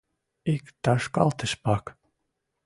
Ик ташкалтыш пак